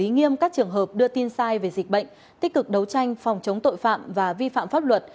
nghiêm các trường hợp đưa tin sai về dịch bệnh tích cực đấu tranh phòng chống tội phạm và vi phạm pháp luật